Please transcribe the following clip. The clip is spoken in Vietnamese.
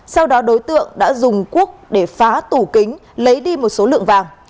sau đó đối tượng đã dùng cuốc để phá tủ kính lấy đi một số lượng vàng